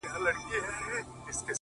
o خو زه بيا داسي نه يم،